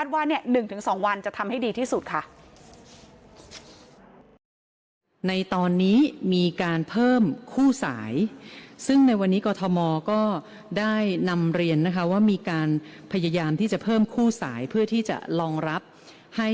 ว่า๑๒วันจะทำให้ดีที่สุดค่ะ